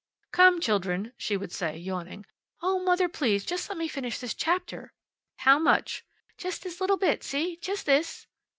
"Come, children," she would say, yawning. "Oh, mother, please just let me finish this chapter!" "How much?" "Just this little bit. See? Just this."